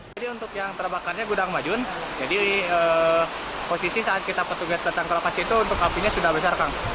jadi untuk yang terbakarnya gudang majun jadi posisi saat kita petugas ke lokasi itu untuk apinya sudah besar